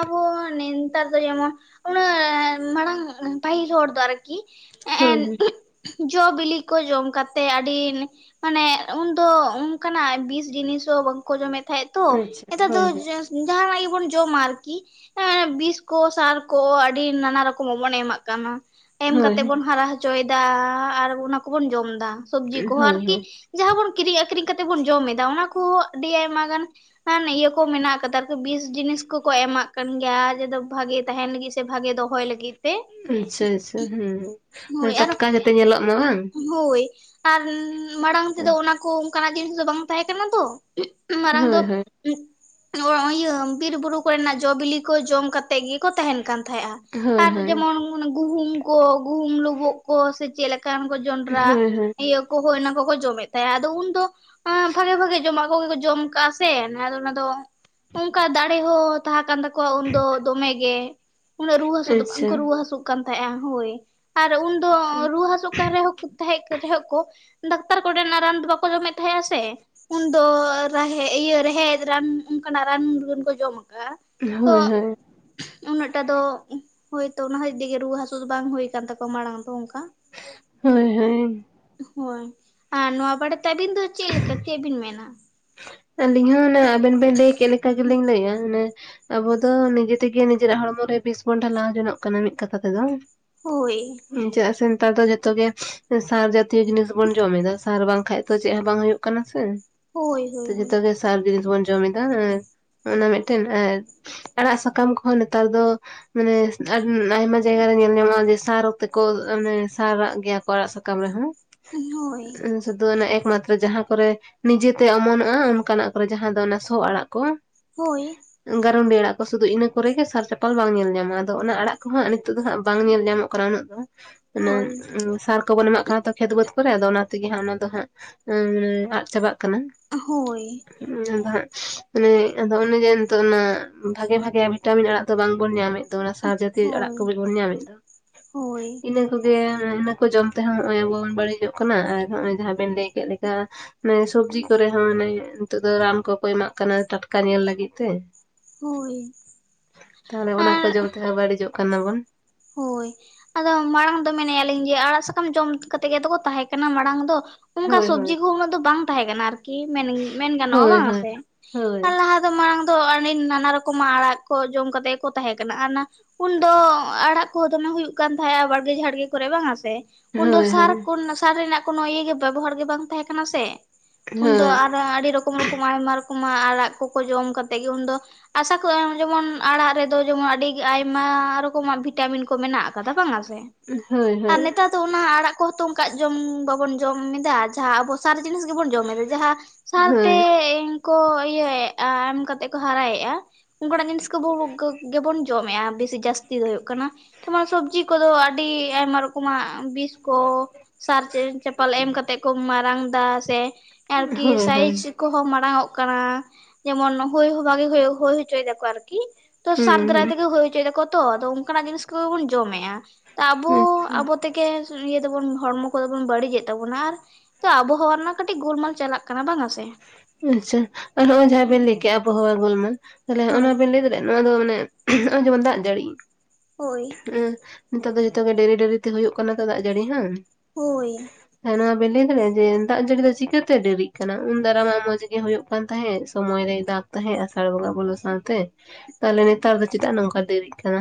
S2: ᱟᱵᱚ ᱱᱮᱛᱟᱨ ᱫᱚ ᱡᱮᱢᱚᱱ ᱚᱱᱟ ᱢᱟᱲᱟᱝ ᱯᱟᱦᱤᱞ ᱦᱚᱲ ᱫᱚ ᱟᱨᱠᱤ ᱮᱸ
S1: ᱦᱳᱭ ᱦᱳᱭ
S2: ᱡᱚ ᱵᱤᱞᱤ ᱠᱚ ᱡᱚᱢ ᱠᱟᱛᱮᱫ ᱟᱹᱰᱤ ᱢᱟᱱᱮ ᱩᱱᱫᱚ ᱚᱱᱠᱟᱱᱟᱜ ᱵᱤᱥ ᱡᱤᱱᱤᱥ ᱦᱚᱸ ᱵᱟᱝᱠᱚ ᱡᱚᱢᱮᱫ ᱛᱟᱦᱮᱸᱜ ᱛᱚ
S1: ᱟᱪᱪᱷᱟ
S2: ᱱᱮᱛᱟᱨ ᱫᱚ
S1: ᱦᱳᱭ ᱦᱳᱭ
S2: ᱡᱟᱦᱟᱱᱟᱜ ᱜᱮᱵᱚᱱ ᱡᱚᱢᱟ᱾ ᱟᱨᱠᱤ ᱮ ᱵᱤᱥ ᱠᱚ ᱥᱟᱨ ᱠᱚ ᱟᱹᱰᱤ ᱱᱟᱱᱟ ᱨᱚᱠᱚᱢᱟᱜ ᱵᱚᱱ ᱮᱢᱟᱜ ᱠᱟᱱᱟ᱾ ᱮᱢ
S1: ᱦᱳᱭ
S2: ᱠᱟᱛᱮᱜ ᱵᱚᱱ ᱦᱟᱨᱟ ᱦᱚᱪᱚᱭᱮᱫᱟ ᱟᱨ ᱚᱱᱟ ᱠᱚᱵᱚᱱ ᱡᱚᱢ ᱮᱫᱟ ᱥᱚᱵᱡᱤ ᱠᱚᱦᱚᱸ
S1: ᱦᱳᱭ
S2: ᱟᱨᱠᱤ
S1: ᱦᱳᱭ
S2: ᱡᱟᱦᱟᱸ ᱵᱚᱱ ᱠᱤᱨᱤᱧ ᱟᱠᱷᱨᱤᱧ ᱠᱟᱛᱮ ᱵᱚᱱ ᱡᱚᱢ ᱮᱫᱟ ᱚᱱᱟ ᱠᱚᱦᱚᱸ ᱟᱹᱰᱤ ᱟᱭᱢᱟ ᱜᱟᱱ ᱤᱭᱟᱹ ᱠᱚ ᱢᱮᱱᱟᱜ ᱟᱠᱟᱫᱟ ᱟᱨᱠᱤ ᱵᱤᱥ ᱡᱤᱱᱤᱥ ᱠᱚ᱾ ᱠᱚ ᱮᱢᱟᱜ ᱠᱟᱱ ᱜᱮᱭᱟ ᱡᱮ ᱵᱷᱟᱜᱮ ᱛᱟᱦᱮᱱ ᱞᱟᱹᱜᱤᱫ ᱥᱮ ᱵᱷᱟᱜᱮ ᱫᱚᱦᱚᱭ ᱞᱟᱹᱜᱤᱫ ᱛᱮ
S1: ᱟᱪᱪᱷᱟ ᱟᱪᱪᱷᱟ ᱦᱮᱸ ᱢᱟᱱᱮ
S2: ᱦᱳᱭ ᱟᱨ
S1: ᱴᱟᱴᱠᱟ ᱡᱟᱛᱮ ᱧᱮᱞᱚᱜ ᱢᱟ ᱵᱟᱝ
S2: ᱦᱳᱭ ᱟᱨ ᱢᱟᱲᱟᱝ ᱛᱮᱫᱚ ᱚᱱᱟ ᱠᱚ ᱚᱱᱠᱟᱱᱟᱜ ᱡᱤᱱᱤᱥ ᱫᱚ ᱵᱟᱝ ᱛᱟᱦᱮᱸ ᱠᱟᱱᱟ ᱛᱚ ᱢᱟᱲᱟᱝ ᱫᱚ
S1: ᱦᱳᱭ ᱦᱳᱭ
S2: ᱤᱭᱟᱹ ᱵᱤᱨ ᱵᱩᱨᱩ ᱠᱚᱨᱮᱱᱟᱜ ᱡᱚ ᱵᱤᱞᱤ ᱠᱚ ᱡᱚᱢ ᱠᱟᱛᱮᱜ ᱜᱮᱠᱚ ᱛᱟᱦᱮᱱ ᱠᱟᱱ ᱛᱟᱦᱮᱸᱜᱼᱟ
S1: ᱦᱳᱭ
S2: ᱟᱨ
S1: ᱦᱳᱭ
S2: ᱡᱮᱢᱚᱱ ᱜᱩᱦᱩᱢ ᱠᱚ ᱜᱩᱦᱩᱢ ᱞᱳᱵᱳᱜ ᱠᱚ ᱥᱮ ᱪᱮᱫ ᱞᱮᱠᱟ ᱠᱚ ᱡᱚᱱᱰᱨᱟ
S1: ᱦᱳᱭ ᱦᱳᱭ
S2: ᱤᱭᱟᱹ ᱠᱚᱦᱚᱸ ᱚᱱᱟ ᱠᱚᱠᱚ ᱡᱚᱢᱮᱫ ᱛᱟᱦᱮᱸᱼᱟ ᱟᱫᱚ ᱩᱱᱫᱚ ᱦᱚ ᱵᱷᱟᱜᱮ ᱵᱷᱟᱜᱮ ᱡᱚᱢᱟᱜ ᱠᱚᱜᱮ ᱠᱚ ᱡᱚᱢ ᱟᱠᱟᱫᱟ ᱥᱮ ᱟᱫᱚ ᱚᱱᱟ ᱫᱚ ᱚᱱᱠᱟ ᱫᱟᱲᱮ ᱦᱚᱸ ᱛᱟᱦᱮᱸ ᱠᱟᱱ ᱛᱟᱠᱚᱣᱟ ᱩᱱᱫᱚ ᱫᱚᱢᱮᱜ ᱜᱮ ᱩᱱᱟᱹᱜ ᱨᱩᱣᱟᱹ ᱦᱟᱹᱥᱩ ᱫᱚ
S1: ᱟᱪᱪᱷᱟ
S2: ᱵᱟᱝᱠᱚ ᱨᱩᱣᱟᱹ ᱦᱟᱹᱥᱩᱜ ᱠᱟᱱ ᱛᱟᱦᱮᱸᱫᱼᱟ ᱟ ᱦᱳᱭ ᱟᱨ ᱩᱱᱫᱚ ᱨᱩᱣᱟᱹ ᱦᱟᱹᱥᱩ ᱛᱟᱦᱮᱸ ᱨᱮᱦᱚᱸ ᱠᱚ ᱰᱟᱠᱛᱟᱨ ᱠᱚᱨᱮᱱᱟᱜ ᱨᱟᱱ ᱵᱟᱠᱚ ᱡᱚᱢᱮᱫ ᱛᱟᱦᱮᱸᱜᱼᱟ ᱥᱮ ᱩᱱᱫᱚ ᱤᱭᱟᱹ ᱨᱮᱦᱮᱫ ᱨᱟᱱ ᱚᱱᱠᱟᱱᱟᱜ ᱨᱟᱱ ᱢᱩᱨᱜᱟᱹᱱ ᱠᱚ ᱡᱚᱢ ᱠᱟᱜᱼᱟ ᱛᱚ
S1: ᱦᱳᱭ ᱦᱳᱭ
S2: ᱩᱱᱟᱹᱜ ᱴᱟᱜ ᱫᱚ ᱦᱳᱭᱛᱚ ᱚᱱᱟ ᱦᱚᱛᱮᱡ ᱛᱮᱜᱮ ᱨᱩᱣᱟᱹ ᱦᱟᱹᱥᱩ ᱫᱚ ᱵᱟᱝ ᱦᱩᱭ ᱟᱠᱟᱱ ᱛᱟᱠᱚᱣᱟ ᱢᱟᱲᱟᱝ ᱫᱚ ᱚᱱᱠᱟ
S1: ᱦᱳᱭ ᱦᱳᱭ
S2: ᱦᱳᱭ ᱟᱨ ᱱᱚᱣᱟ ᱵᱟᱨᱮᱛᱮ ᱟᱹᱵᱤᱱ ᱫᱚ ᱪᱮᱫ ᱞᱮᱠᱟ ᱪᱮᱫ ᱵᱤᱱ ᱢᱮᱱᱟ
S1: ᱟᱹᱞᱤᱧ ᱦᱚᱸ ᱚᱱᱮ ᱟᱵᱮᱱ ᱵᱮᱱ ᱞᱟᱹᱭ ᱠᱮᱫ ᱞᱮᱠᱟ ᱜᱮᱞᱤᱧ ᱞᱟᱹᱭᱮᱜᱼᱟ ᱚᱱᱮ ᱟᱵᱚ ᱫᱚ ᱱᱤᱡᱮ ᱛᱮᱜᱮ ᱱᱤᱡᱮᱨᱟᱜ ᱦᱚᱲᱢᱚ ᱨᱮ ᱵᱮᱥ ᱵᱚᱱ ᱴᱷᱟᱞᱟᱣ ᱡᱚᱱᱚᱜ ᱠᱟᱱᱟ ᱢᱤᱫ ᱠᱟᱛᱷᱟ ᱛᱮᱫᱚ᱾
S2: ᱦᱳᱭ
S1: ᱪᱮᱫᱟᱜ ᱥᱮ ᱱᱮᱛᱟᱨ ᱫᱚ ᱡᱷᱚᱛᱚ ᱜᱮ ᱥᱟᱨ ᱪᱮᱫᱟᱜ ᱥᱮ ᱱᱮᱛᱟᱨ ᱫᱚ ᱡᱚᱛᱚ ᱜᱮ ᱥᱟᱨ ᱡᱟᱛᱤᱭᱚ ᱡᱤᱱᱤᱥ ᱵᱚᱱ ᱡᱚᱢ ᱮᱫᱟ ᱥᱟᱨ ᱵᱟᱝᱠᱷᱟᱡ ᱛᱚ ᱪᱮᱫ ᱦᱚᱸ ᱵᱟᱝ ᱠᱟᱱᱟ ᱥᱮ
S2: ᱦᱳᱭ᱾ ᱦᱳᱭ
S1: ᱱᱤᱛᱚᱜ ᱡᱚᱛᱚ
S2: ᱦᱳᱭ
S1: ᱜᱮ ᱥᱟᱨ ᱡᱤᱱᱤᱥ ᱵᱚᱱ ᱡᱚᱢ ᱮᱫᱟ ᱚᱱᱟ ᱢᱤᱫᱴᱮᱱ ᱟᱨ ᱟᱲᱟᱜ ᱥᱟᱠᱟᱢ ᱠᱚᱦᱚᱸ ᱱᱮᱛᱟᱨ ᱫᱚ᱾ ᱢᱟᱱᱮ ᱟᱭᱢᱟ ᱡᱟᱭᱜᱟ ᱨᱮ ᱧᱮᱞ ᱧᱟᱢᱚᱜᱼᱟ ᱡᱮ ᱥᱟᱨ ᱚᱠᱛᱮᱠᱚ ᱢᱟᱱᱮ ᱥᱟᱨᱟᱜ ᱜᱮᱭᱟ ᱠᱚ ᱟᱲᱟᱜ ᱥᱟᱠᱟᱢ ᱨᱮᱦᱚᱸ
S2: ᱦᱩᱭ
S1: ᱥᱩᱫᱩ ᱮᱠᱢᱟᱛᱨᱚ ᱡᱟᱦᱟᱸ ᱠᱚᱨᱮ ᱱᱤᱡᱮᱛᱮ ᱚᱢᱚᱱᱚᱜ ᱾ ᱚᱱᱠᱟᱱᱟᱜ ᱠᱚᱨᱮ ᱡᱟᱦᱟᱸ ᱫᱚ ᱚᱱᱟ ᱥᱚ ᱟᱲᱟᱜ ᱠᱚ
S2: ᱦᱳᱭ
S1: ᱜᱟᱨᱚᱱᱰᱤ ᱟᱲᱟᱜ ᱥᱩᱫᱷᱩ ᱤᱱᱟ ᱠᱚᱨᱮ ᱜᱮ ᱥᱟᱨ ᱪᱟᱯᱟᱞ ᱵᱟᱝ ᱧᱮᱞ ᱧᱟᱢᱚᱜ ᱟᱫᱚ ᱚᱱᱟ ᱟᱲᱟᱜ ᱠᱚᱦᱚ ᱱᱤᱛᱚᱜ ᱫᱚ ᱵᱟᱝ ᱧᱮᱞ ᱧᱟᱢᱚᱜ ᱠᱟᱱᱟ ᱠᱚᱨᱟᱣ ᱦᱩᱭᱩᱜ ᱠᱟᱱᱟ
S2: ᱦᱳᱭ
S1: [unintelligible] ᱥᱟᱨ ᱠᱚᱵᱚᱱ ᱮᱢᱟᱜ ᱠᱟᱱᱟ ᱛᱚ ᱠᱷᱮᱛ ᱵᱟᱹᱫᱽ ᱠᱚᱨᱮ ᱟᱫᱚ ᱚᱱᱟ ᱛᱮᱜᱮ ᱦᱟᱸᱜ ᱚᱱᱟ ᱫᱚ ᱦᱟᱸᱜ ᱟᱫ ᱪᱟᱵᱟᱜ ᱠᱟᱱᱟ᱾
S2: ᱦᱚᱭ᱾
S1: [unintelligible] ᱛᱚ ᱚᱱᱟ ᱥᱟᱨ ᱡᱟᱹᱛᱤ ᱟᱲᱟᱜ
S2: ᱦᱳᱭ
S1: ᱠᱚ ᱜᱮ ᱵᱚᱱ ᱧᱟᱢᱮᱫ ᱫᱚ
S2: ᱦᱳᱭ
S1: ᱤᱱᱟᱹ ᱠᱚᱜᱮ ᱤᱱᱟᱹ ᱠᱚ ᱡᱚᱢ ᱛᱮᱦᱚᱸ ᱱᱚᱜ-ᱚᱭ ᱟᱵᱚ ᱵᱚᱱ ᱵᱟᱹᱲᱤᱡᱚᱜ ᱠᱟᱱᱟ ᱟᱨ ᱱᱚᱜᱼᱚᱭ ᱡᱟᱦᱟᱸ ᱵᱤᱱ ᱞᱟᱹᱭ ᱠᱮᱫ ᱞᱮᱠᱟ ᱚᱱᱮ ᱥᱚᱵᱡᱤ ᱠᱚᱨᱮᱦᱚᱸ ᱢᱟᱱᱮ ᱱᱤᱛᱚᱜ ᱫᱚ ᱨᱟᱱ ᱠᱚᱠᱚ ᱮᱢᱟᱜ ᱠᱟᱱᱟ ᱴᱟᱴᱠᱟ ᱧᱮᱞ ᱞᱟᱹᱜᱤᱫ ᱛᱮ᱾
S2: ᱦᱳᱭ
S1: ᱛᱟᱦᱞᱮ ᱚᱱᱟ ᱠᱚ ᱡᱚᱢ ᱛᱮᱦᱚᱸ ᱵᱟᱹᱲᱤᱡᱚᱜ ᱠᱟᱱᱟ ᱵᱚᱱ᱾
S2: ᱦᱚᱭ᱾ ᱟᱫᱚ ᱢᱟᱲᱟᱝ ᱫᱚ ᱢᱮᱱᱮᱫᱼᱟᱞᱤᱧ ᱡᱮ ᱟᱲᱟᱜ ᱥᱟᱠᱟᱢ ᱡᱚᱢ ᱠᱟᱛᱮᱫ ᱜᱮᱛᱚ ᱠᱚ ᱛᱟᱦᱮᱸ ᱠᱟᱱᱟ ᱢᱟᱲᱟᱝ ᱫᱚ᱾ ᱚᱱᱠᱟ
S1: ᱦᱳᱭ ᱦᱳᱭ᱾
S2: ᱥᱚᱵᱡᱤ ᱠᱚᱦᱚᱸ ᱩᱱᱟᱹᱜ ᱫᱚ ᱵᱟᱝ ᱛᱟᱦᱮᱸ ᱠᱟᱱᱟ ᱟᱨᱠᱤ ᱢᱮᱱ ᱢᱮᱱ ᱜᱟᱱᱚᱜᱼᱟ
S1: ᱦᱳᱭ
S2: ᱵᱟᱝ
S1: ᱦᱳᱭ
S2: ᱥᱮ?
S1: ᱦᱳᱭ
S2: ᱟᱨ ᱞᱟᱦᱟ ᱫᱚ ᱢᱟᱲᱟᱝ ᱫᱚ ᱟᱹᱰᱤ ᱱᱟᱱᱟ ᱨᱚᱠᱚᱢᱟᱜ ᱟᱲᱟᱜ ᱠᱚ ᱡᱚᱢ ᱠᱟᱛᱮ ᱠᱚ ᱛᱟᱦᱮᱸ ᱠᱟᱱᱟ ᱩᱱᱫᱚ ᱟᱲᱟᱜ ᱠᱚᱦᱚᱸ ᱫᱚᱢᱮ ᱦᱩᱭᱩᱜ ᱠᱟᱱ ᱛᱟᱦᱮᱸᱫ ᱵᱟᱲᱜᱮ ᱡᱷᱟᱲᱜᱮ ᱠᱚᱨᱮ ᱵᱟᱝ ᱥᱮ ᱩᱱ ᱫᱚ
S1: ᱦᱳᱭ
S2: ᱥᱟᱨ ᱠᱚ
S1: ᱦᱳᱭ
S2: ᱨᱮᱱᱟᱜ ᱥᱟᱨ ᱨᱮᱱᱟᱜ ᱠᱚᱱᱚ ᱤᱭᱟᱹ ᱵᱮᱵᱚᱦᱟᱨ ᱜᱮ ᱵᱟᱝ ᱛᱟᱦᱮᱸ ᱠᱟᱱᱟ ᱩᱱ ᱫᱚ
S1: ᱦᱳᱭ
S2: ᱟᱹᱰᱤ ᱨᱚᱠᱚᱢ ᱠᱚ ᱟᱭᱢᱟ ᱨᱚᱠᱚᱢ ᱟᱜ ᱟᱲᱟᱜ ᱠᱚᱠᱚ ᱡᱚᱢ ᱠᱟᱛᱮᱫ ᱜᱮ ᱩᱱᱫᱚ ᱟᱥᱟ ᱠᱚᱜᱼᱟ ᱡᱮᱢᱚᱱ ᱟᱲᱟᱜ ᱨᱮᱫᱚ ᱡᱮᱢᱚᱱ ᱟᱹᱰᱤ ᱟᱭᱢᱟ ᱨᱚᱠᱚᱢᱟᱜ ᱵᱷᱤᱴᱟᱢᱤᱱ ᱵᱷᱤᱴᱟᱢᱤᱱ ᱠᱚ ᱢᱮᱱᱟᱜ ᱟᱠᱟᱫᱟ ᱵᱟᱝ ᱥᱮ
S1: ᱦᱳᱭ ᱦᱳᱭ
S2: ᱟᱨ
S1: ᱦᱳᱭ
S2: ᱱᱮᱛᱟᱨ ᱛᱚ ᱚᱱᱟ ᱟᱲᱟᱜ ᱠᱚᱦᱚᱸ ᱛᱚ ᱚᱱᱠᱟ ᱡᱚᱢ ᱵᱟᱵᱚᱱ ᱡᱚᱢ ᱮᱫᱟ ᱡᱟᱦᱟᱸ ᱟᱵᱚ ᱥᱟᱨ ᱡᱤᱱᱤᱥ ᱜᱮᱵᱚᱱ ᱡᱚᱢ ᱮᱫᱟ ᱡᱟᱦᱟᱸ ᱥᱟᱨᱛᱮ
S1: ᱦᱳᱭ
S2: ᱠᱚ ᱤᱭᱟᱹᱮᱫᱼᱟ ᱮᱢ ᱠᱟᱛᱮ ᱠᱚ ᱦᱟᱨᱟᱭᱮᱜᱼᱟ᱾ ᱚᱱᱠᱟᱱᱟᱜ ᱡᱤᱱᱤᱥ ᱠᱚᱵᱚ [inaudible] ᱜᱮ ᱵᱚᱱ ᱡᱚᱢᱮᱼᱟ ᱵᱤᱥᱤ ᱡᱟᱹᱥᱛᱤ ᱫᱚ ᱦᱩᱭᱩᱜ ᱠᱟᱱᱟ᱾ ᱱᱚᱣᱟ ᱥᱚᱵᱡᱤ ᱠᱚᱫᱚ ᱟᱹᱰᱤ ᱟᱭᱢᱟ ᱨᱚᱠᱚᱢᱟᱜ ᱵᱤᱥ ᱠᱚ ᱥᱟᱨ ᱪᱟᱯᱟᱞ ᱮᱢ ᱠᱟᱛᱮᱜ ᱠᱚ ᱢᱟᱨᱟᱝ ᱫᱟ ᱥᱮ ᱟᱨᱠᱤ
S1: ᱦᱳᱭ
S2: ᱥᱟᱭᱤᱡ ᱠᱚᱦᱚᱸ ᱢᱟᱲᱟᱝ ᱚᱜ ᱠᱟᱱᱟ ᱡᱮᱢᱚᱱ ᱦᱩᱭ ᱦᱚᱸ ᱵᱷᱟᱜᱤ ᱦᱩᱭ ᱦᱚᱪᱚᱭ ᱮᱫᱟ ᱠᱚ ᱟᱨᱠᱤ᱾ ᱛᱚ ᱥᱟᱨ
S1: ᱦᱩᱸ
S2: ᱫᱟᱨᱟᱭ ᱛᱮᱜᱮ ᱦᱩᱭ ᱦᱚᱪᱚᱭ ᱫᱟᱠᱚ ᱛᱚ ᱟᱫᱚ ᱚᱱᱠᱟᱱᱟᱜ ᱡᱤᱱᱤᱥ ᱠᱚᱜᱮ ᱵᱚᱱ ᱡᱚᱢᱮᱫᱼᱟ ᱟᱵᱚ
S1: ᱦᱩᱸ ᱟᱪᱪᱷᱟ
S2: ᱟᱵᱚ ᱛᱮᱜᱮ ᱤᱭᱟᱹ ᱫᱚᱵᱚᱱ ᱦᱚᱲᱢᱚ ᱠᱚᱫᱚ ᱵᱚᱱ ᱵᱟᱹᱲᱤᱡᱮᱫ ᱛᱟᱵᱚᱱᱟ ᱟᱨ ᱛᱚ ᱟᱵᱚᱦᱚᱣᱟ ᱨᱮᱱᱟᱜ ᱠᱟᱹᱴᱤᱡ ᱜᱤᱞᱢᱟᱞ ᱪᱟᱞᱟᱜ ᱠᱟᱱᱟ ᱵᱟᱝ-ᱟ ᱥᱮ?
S1: ᱟᱪᱪᱷᱟ ᱟᱨ ᱱᱚᱜ-ᱚᱭ ᱡᱟᱦᱟᱸ ᱵᱤᱱ ᱞᱟᱹᱭ ᱠᱮᱜ ᱵᱚᱦᱟᱣᱟ ᱜᱩᱞᱢᱟᱞ ᱛᱟᱦᱞᱮ
S2: ᱦᱳᱭ
S1: ᱚᱱᱟ ᱵᱤᱱ ᱞᱟᱹᱭ ᱫᱟ ᱱᱚᱣᱟ ᱫᱚ ᱢᱟᱱᱮ ᱱᱚᱜᱼᱚᱭ ᱡᱮᱢᱚᱱ ᱫᱟᱜ ᱡᱟᱹᱲᱤ
S2: ᱦᱚᱭ᱾
S1: ᱮᱸ ᱱᱮᱛᱟᱨ ᱫᱚ ᱡᱚᱛᱚ ᱜᱮ ᱰᱮᱨᱤ ᱰᱮᱨᱤ ᱛᱮ ᱦᱩᱭᱩᱜ ᱠᱟᱱᱟ ᱛᱚ ᱫᱟᱜ ᱡᱟᱹᱲᱤ ᱦᱚ᱾
S2: ᱦᱚᱭ᱾
S1: ᱦᱮᱸ ᱱᱚᱣᱟ ᱵᱤᱱ ᱞᱟᱹᱭ ᱫᱟᱲᱮᱭᱟᱜᱼᱟ ᱡᱮ ᱫᱟᱜ ᱡᱟᱹᱲᱤ ᱫᱚ ᱪᱤᱠᱟᱹ ᱛᱮ ᱰᱮᱨᱤᱜ ᱠᱟᱱᱟ? ᱩᱱ ᱫᱟᱨᱟᱢᱟ ᱢᱚᱸᱡᱽ ᱜᱮ ᱦᱳᱭᱳᱜ ᱠᱟᱱ ᱛᱟᱦᱮᱸᱫ ᱥᱚᱢᱚᱭ ᱨᱮᱭ ᱫᱟᱜᱽ ᱛᱟᱦᱮᱸᱫ ᱟᱥᱟᱲ ᱵᱚᱸᱜᱟ ᱵᱚᱞᱚ ᱥᱟᱶᱛᱮ ᱛᱟᱦᱚᱞᱮ ᱱᱮᱛᱟᱨ ᱫᱚ ᱪᱮᱫᱟᱜ ᱱᱚᱝᱠᱟ ᱫᱮᱨᱤᱜ ᱠᱟᱱᱟ?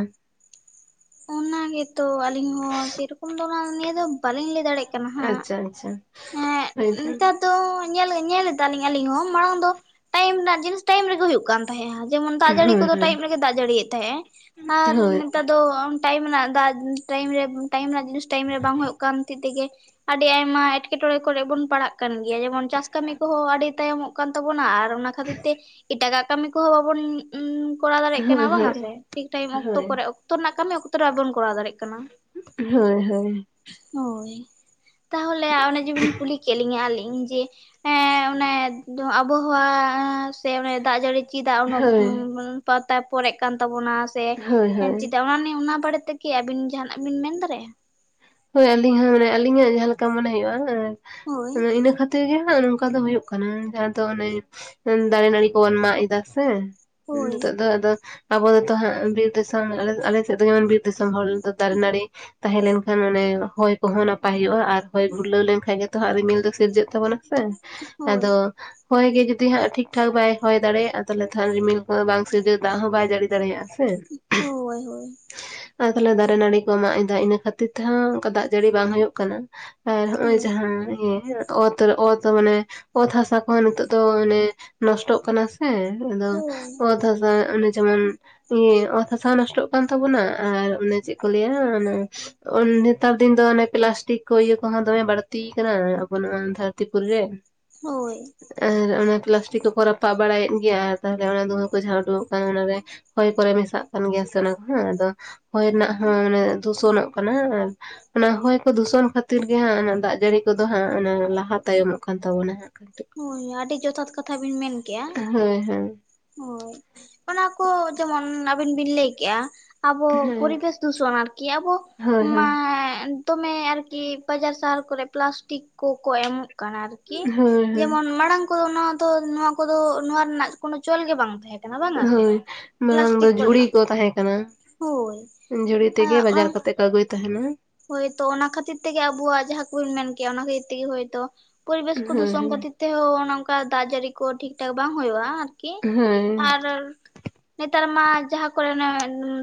S2: ᱚᱱᱟ ᱜᱮᱛᱚ ᱟᱹᱞᱤᱧ ᱦᱚᱸ ᱥᱮᱨᱚᱠᱚᱢ ᱫᱚ ᱚᱱᱟ ᱱᱤᱭᱮᱹ ᱫᱚ ᱵᱟᱞᱤᱧ ᱞᱟᱹᱭ ᱫᱟᱲᱮᱭᱟᱜ ᱠᱟᱱᱟ ᱦᱟᱸᱜ
S1: ᱟᱪᱪᱷᱟ ᱟᱪᱪᱷᱟ ᱦᱳᱭᱛᱚ
S2: ᱛᱚ ᱧᱮᱞᱮ ᱧᱮᱞ ᱫᱟᱞᱤᱧ ᱟᱹᱞᱤᱧ ᱦᱚᱸ ᱢᱟᱲᱟᱝ ᱫᱚ ᱴᱟᱭᱤᱢ ᱨᱮᱱᱟᱜ ᱡᱤᱱᱤᱥ ᱴᱟᱭᱤᱢ ᱨᱮ ᱜᱮ ᱦᱩᱭᱩᱜ ᱠᱟᱱ ᱛᱟᱦᱮᱸᱜ-ᱟ ᱡᱮᱢᱚᱱ ᱫᱟᱜ ᱡᱟᱹᱲᱤ ᱠᱚᱫᱚ ᱴᱟᱭᱤᱯ ᱨᱮᱜᱮ ᱫᱟᱜ ᱡᱟᱹᱲᱤᱭᱮᱫ ᱛᱟᱦᱮᱸᱜ ᱮ ᱟᱨ ᱱᱮᱛᱟᱨ ᱫᱚ ᱴᱟᱭᱤᱢ ᱨᱮᱱᱟᱜ ᱫᱟᱜ ᱴᱟᱭᱤᱢ ᱨᱮ ᱴᱟᱭᱤᱢ ᱨᱮᱱᱟᱜ ᱡᱤᱱᱤᱥ ᱴᱟᱭᱤᱢ ᱨᱮ ᱵᱟᱝ ᱦᱩᱭᱩᱜ ᱠᱟᱱ ᱠᱷᱟᱹᱛᱤᱨ ᱛᱮᱜᱮ ᱟᱹᱰᱤ ᱟᱭᱢᱟ ᱮᱴᱠᱮᱴᱚᱲᱮ ᱠᱚᱨᱮᱜ ᱵᱚᱱ ᱯᱟᱲᱟᱜ ᱠᱟᱱ ᱜᱮᱭᱟ ᱡᱮᱢᱚᱱ ᱪᱟᱥ ᱠᱟᱹᱢᱤ ᱠᱚᱦᱚᱸ ᱟᱹᱰᱤ ᱛᱟᱭᱚᱢᱚᱜ ᱠᱟᱱ ᱛᱟᱵᱚᱱᱟ ᱟᱨ ᱚᱱᱟ ᱠᱷᱟᱹᱛᱤᱨ ᱛᱮ ᱮᱴᱟᱜᱟᱜ ᱠᱟᱹᱢᱤ ᱠᱚᱦᱚᱸ ᱵᱟᱵᱚᱱ ᱩᱸᱻ ᱠᱚᱨᱟᱣ ᱫᱟᱲᱮᱭᱟᱜ ᱠᱟᱱᱟ ᱵᱟᱝᱟ ᱥᱮ ᱴᱷᱤᱠ ᱴᱟᱭᱤᱢ ᱚᱠᱛᱚ ᱠᱚᱨᱮ ᱚᱠᱛᱚ ᱨᱮᱱᱟᱜ ᱠᱟᱹᱢᱤ ᱚᱠᱛᱚ ᱠᱚᱨᱮ ᱵᱟᱵᱚᱱ ᱠᱚᱨᱟᱣ ᱫᱟᱲᱮᱭᱟᱜ ᱠᱟᱱᱟ
S1: ᱦᱳᱭ ᱦᱳᱭ
S2: ᱦᱳᱭ ᱛᱟᱦᱚᱞᱮ ᱚᱱᱮ ᱡᱮ ᱵᱤᱱ ᱠᱩᱞᱤ ᱠᱮᱫ ᱞᱤᱧᱟ ᱟᱞᱤᱧ ᱡᱮ ᱮᱸᱻ ᱚᱱᱮ ᱟᱵᱚᱦᱟᱣᱟ ᱥᱮ ᱚᱱᱮ ᱫᱟᱜ ᱡᱟᱹᱲᱤ ᱪᱮᱫᱟᱜ ᱩᱱᱟᱹᱜ ᱩᱸᱻ ᱯᱟᱛᱟ ᱯᱚᱨᱮᱜ ᱠᱟᱱ ᱛᱟᱵᱚᱱᱟ ᱥᱮ ᱪᱮᱫᱟᱜ ᱚᱱᱟ ᱱᱤᱭᱮ ᱚᱱᱟ ᱵᱟᱨᱮᱛᱮ ᱠᱤ ᱟᱵᱤᱱ ᱡᱟᱦᱟᱱᱟᱜ ᱵᱤᱱ ᱢᱮᱱ ᱫᱟᱲᱮᱭᱟᱜᱼᱟ
S1: ᱦᱳᱭ ᱟᱹᱞᱤᱧ ᱦᱚᱸ ᱢᱟᱱᱮ ᱟᱹᱞᱤᱧᱟᱜ ᱡᱟᱦᱟᱸ ᱞᱮᱠᱟ ᱢᱚᱱᱮ ᱦᱳᱭᱳᱜᱼᱟ
S2: ᱦᱳᱭ
S1: ᱤᱱᱟᱹ ᱠᱷᱟᱹᱛᱤᱨ ᱛᱮᱜᱮ ᱦᱟᱸᱜ ᱱᱚᱝᱠᱟ ᱫᱚ ᱦᱳᱭᱳᱜ ᱠᱟᱱᱟ ᱡᱟᱦᱟᱸ ᱫᱚ ᱚᱱᱮ ᱫᱟᱨᱮ ᱱᱟᱹᱲᱤ ᱠᱚᱵᱚᱱ ᱢᱟᱜ ᱮᱫᱟ ᱥᱮ
S2: ᱦᱳᱭ
S1: ᱱᱤᱛᱚᱜ ᱫᱚ ᱟᱫᱚ ᱟᱵᱚ ᱫᱚ ᱛᱚ ᱦᱟᱸᱜ ᱵᱤᱨ ᱫᱤᱥᱚᱢ ᱟᱞᱮ ᱥᱮᱫ ᱫᱚ ᱡᱮᱢᱚᱱ ᱵᱤᱨ- ᱫᱤᱥᱚᱢ ᱦᱚᱲ ᱫᱟᱨᱮ ᱱᱟᱹᱲᱤ ᱛᱟᱦᱮᱸ ᱞᱮᱱᱠᱷᱟᱱ ᱚᱱᱮ ᱦᱚᱭ ᱠᱚᱦᱚᱸ ᱱᱟᱯᱟᱭ ᱦᱳᱭᱳᱜᱼᱟ ᱟᱨ ᱦᱚᱭ ᱜᱷᱩᱨᱞᱟᱹᱣ ᱞᱮᱱᱠᱷᱟᱡ ᱜᱮᱛᱚ ᱦᱟᱸᱜ ᱨᱤᱢᱤᱞ ᱫᱚ ᱥᱤᱨᱡᱟᱹᱜ ᱛᱟᱵᱚᱱᱟ ᱥᱮ
S2: ᱦᱳᱭ
S1: ᱟᱫᱚ ᱦᱚᱭ ᱜᱮ ᱡᱩᱫᱤ ᱦᱟᱸᱜ ᱴᱷᱤᱠ ᱴᱷᱟᱠ ᱵᱟᱭ ᱦᱚᱭ ᱫᱟᱲᱮᱭᱟᱜᱼᱟ ᱛᱟᱦᱚᱞᱮ ᱛᱚ ᱦᱟᱸᱜ ᱨᱤᱢᱤᱞ ᱠᱚ ᱵᱟᱝ ᱥᱤᱨᱡᱟᱹ ᱫᱟᱜ ᱦᱚᱸ ᱵᱟᱭ ᱡᱟᱹᱲᱤ ᱫᱟᱲᱮᱭᱟᱜᱼᱟ ᱟᱨ
S2: ᱦᱳᱭ ᱦᱳᱭ
S1: ᱛᱟᱦᱞᱮ ᱫᱟᱨᱮ ᱱᱟᱹᱲᱤ ᱠᱚ ᱢᱟᱜ ᱮᱫᱟ ᱤᱱᱟᱹ ᱠᱷᱟᱹᱛᱤᱨ ᱠᱷᱟᱹᱛᱤᱨ ᱛᱮᱦᱚᱸ ᱚᱱᱠᱟ ᱫᱟᱜ ᱡᱟᱹᱲᱤ ᱵᱟᱝ ᱦᱩᱭᱩᱜ ᱠᱟᱱᱟ ᱟᱨ ᱱᱚᱜᱼᱚᱭ
S2: ᱦᱳᱭ
S1: ᱡᱟᱦᱟᱸ ᱤᱭᱟᱹ ᱚᱛ ᱨᱮ ᱚᱛ ᱢᱟᱱᱮ ᱚᱛ ᱦᱟᱥᱟ ᱠᱚᱦᱚᱸ ᱱᱤᱛᱚᱜ ᱫᱚ ᱢᱟᱱᱮ ᱱᱚᱥᱴᱚᱜ ᱠᱟᱱᱟ ᱦᱮᱸ ᱟᱫᱚ
S2: ᱦᱳᱭ
S1: ᱚᱛ ᱦᱟᱥᱟ ᱚᱱᱮ ᱡᱮᱢᱚᱱ ᱚᱛ ᱦᱟᱥᱟ ᱦᱚᱸ ᱱᱚᱥᱴᱚᱜ ᱠᱟᱱ ᱛᱟᱵᱚᱱᱟ ᱟᱨ ᱚᱱᱮ ᱪᱮᱫ ᱠᱚ ᱞᱟᱹᱭᱟ ᱮ ᱚᱱᱮ ᱱᱮᱛᱟᱨ ᱫᱤᱱ ᱫᱚ ᱚᱱᱮ ᱯᱞᱟᱥᱴᱤᱠ ᱠᱚ ᱤᱭᱟᱹ ᱠᱚᱦᱚᱸ ᱫᱚᱢᱮ ᱵᱟᱹᱲᱛᱤ ᱠᱟᱱᱟ ᱟᱵᱚ ᱱᱚᱣᱟ ᱫᱷᱟᱹᱨᱛᱤᱯᱩᱨᱤ ᱨᱮ
S2: ᱦᱳᱭ
S1: ᱟᱨ ᱚᱱᱟ ᱯᱞᱟᱥᱴᱤᱠ ᱠᱚᱠᱚ ᱨᱟᱯᱟᱜ ᱵᱟᱲᱟᱭᱮᱫ ᱜᱮᱭᱟ ᱟᱨ ᱛᱟᱦᱞᱮ ᱚᱱᱟ ᱫᱷᱩᱸᱦᱟᱹ ᱠᱚ ᱡᱟᱦᱟᱸ ᱩᱰᱩᱠᱚᱜ ᱠᱟᱱᱟ ᱚᱱᱟ ᱨᱮ ᱦᱚᱭ ᱠᱚᱨᱮ ᱢᱮᱥᱟᱜ ᱠᱟᱱ ᱜᱮᱭᱟ ᱥᱮ ᱚᱱᱟ ᱠᱚᱦᱚᱸ ᱟᱫᱚ ᱦᱚᱭ ᱨᱮᱱᱟᱜ ᱦᱚᱸ ᱫᱩᱥᱚᱱᱚᱜ ᱠᱟᱱᱟ ᱚᱱᱟ ᱦᱚᱭ ᱠᱚ ᱫᱩᱥᱚᱱ ᱠᱷᱟᱹᱛᱤᱨ ᱜᱮ ᱦᱟᱸᱜ ᱚᱱᱟ ᱫᱟᱜ ᱡᱟᱹᱲᱤ ᱠᱚᱫᱚ ᱦᱟᱸᱜ ᱚᱱᱟ ᱞᱟᱦᱟ ᱛᱟᱭᱚᱢᱚᱜ ᱠᱟᱱ ᱛᱟᱵᱚᱱᱟ ᱦᱟᱜ ᱠᱟᱴᱤᱡ
S2: ᱦᱳᱭ ᱟᱹᱰᱤ ᱡᱚᱛᱷᱟᱛ ᱠᱟᱛᱷᱟ ᱵᱤᱱ ᱢᱮᱱ ᱠᱮᱜᱼᱟ
S1: ᱦᱳᱭ ᱦᱳᱭ
S2: ᱦᱳᱭ ᱚᱱᱟ ᱠᱚ ᱡᱮᱢᱚᱱ ᱟᱹᱵᱤᱱ ᱵᱤᱱ ᱞᱟᱹᱭ ᱠᱮᱫᱼᱟ ᱟᱵᱚ ᱯᱚᱨᱤᱵᱮᱥ ᱫᱩᱥᱚᱱ ᱟᱨᱠᱤ ᱟᱵᱚ
S1: ᱦᱳᱭ
S2: ᱢᱟ
S1: ᱦᱳᱭ
S2: ᱫᱚᱢᱮ ᱟᱨᱠᱤ ᱵᱟᱡᱟᱨ ᱥᱟᱦᱟᱨ ᱠᱚᱨᱮ ᱯᱞᱟᱥᱴᱤᱠ ᱠᱚᱠᱚ ᱮᱢᱚᱜ ᱠᱟᱱᱟ ᱟᱨᱠᱤ
S1: ᱦᱳᱭ ᱦᱳᱭ
S2: ᱡᱮᱢᱚᱱ ᱢᱟᱲᱟᱝ ᱠᱚᱫᱚ ᱱᱚᱣᱟ ᱫᱚ ᱱᱚᱣᱟ ᱠᱚᱫᱚ ᱱᱚᱣᱟ ᱨᱮᱱᱟᱜ ᱠᱳᱱᱳ ᱪᱚᱞ ᱜᱮ ᱵᱟᱝ ᱛᱟᱦᱮᱸ ᱠᱟᱱᱟ ᱵᱟᱝᱟ ᱥᱮ
S1: ᱦᱳᱭ ᱢᱟᱲᱟᱝ ᱫᱚ
S2: ᱯᱞᱟᱥᱴᱤᱠ
S1: ᱡᱷᱩᱲᱤ
S2: ᱠᱚᱨᱮᱱᱟᱜ
S1: ᱠᱚ
S2: ᱫᱚ
S1: ᱛᱟᱦᱮᱸ ᱠᱟᱱᱟ
S2: ᱦᱳᱭ
S1: ᱡᱷᱲᱤ ᱛᱮᱜᱮ
S2: ᱚᱱᱟ
S1: ᱵᱟᱡᱟᱨ ᱠᱟᱛᱮᱜ ᱠᱚ ᱟᱹᱜᱩᱭ ᱛᱟᱦᱮᱱᱟ
S2: ᱦᱳᱭᱛᱚ ᱚᱱᱟ ᱠᱷᱟᱹᱛᱤᱨ ᱛᱮᱜᱮ ᱟᱵᱚᱣᱟᱜ ᱡᱟᱦᱟᱸ ᱠᱚᱵᱤᱱ ᱢᱮᱱ ᱠᱮᱭᱟ ᱚᱱᱟ ᱠᱷᱟᱹᱛᱤᱨ ᱛᱮᱜᱮ ᱦᱳᱭᱛᱚ ᱯᱚᱨᱤᱵᱮᱥ ᱠᱚ
S1: ᱦᱳᱭ
S2: ᱫᱩᱥᱚᱱ
S1: ᱦᱳᱭ
S2: ᱠᱷᱟᱹᱛᱤᱨ ᱛᱮᱦᱚᱸ ᱚᱱᱮ ᱚᱱᱠᱟ ᱫᱟᱜ ᱡᱟᱹᱲᱤ ᱠᱚ ᱴᱷᱤᱠ ᱴᱷᱟᱠ ᱵᱟᱝ ᱦᱩᱭᱩᱜᱼᱟ ᱟᱨᱠᱤ
S1: ᱦᱳᱭ
S2: ᱟᱨ ᱱᱮᱛᱟᱨ ᱢᱟ ᱡᱟᱦᱟᱸ ᱠᱚᱨᱮ ᱚᱱᱮ